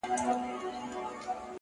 وخت د ژوند تر ټولو قیمتي پانګه ده!.